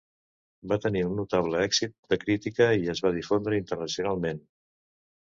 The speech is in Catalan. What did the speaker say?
Va tenir un notable èxit de crítica i es va difondre internacionalment.